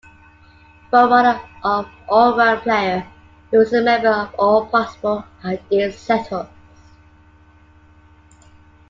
Forerunner of all-round player, he was a member of all possible ideal setups.